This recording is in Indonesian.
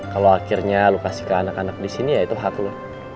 kalau akhirnya lo kasih ke anak anak disini ya itu hak lo